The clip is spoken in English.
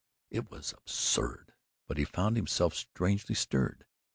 It was absurd, but he found himself strangely stirred.